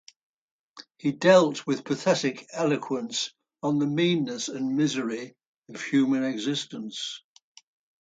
He dwelt with pathetic eloquence on the meanness and misery of human existence.